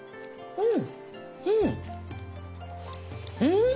うん。